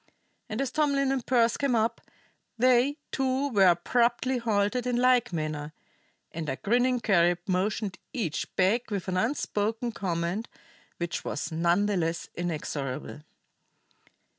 And as Tomlin and Pearse came up, they, too, were abruptly halted in like manner; and a grinning Carib motioned each back with an unspoken command which was none the less inexorable.